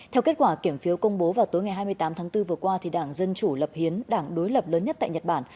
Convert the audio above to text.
theo kết quả kiểm phiếu công bố vào tối ngày hai mươi tám tháng bốn vừa qua đảng dân chủ lập hiến đảng đối lập lớn nhất tại nhật bản